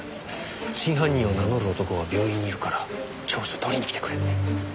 真犯人を名乗る男が病院にいるから調書取りに来てくれって。